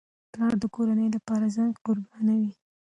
پلار د کورنۍ لپاره ځان قربانوي.